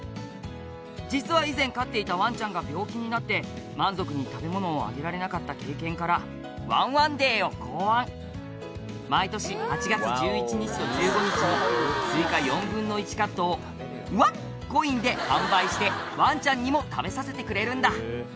「実は以前飼っていたワンちゃんが病気になって満足に食べ物をあげられなかった経験からワンワンデーを考案」「毎年」「スイカ４分の１カットをワンコインで販売してワンちゃんにも食べさせてくれるんだ」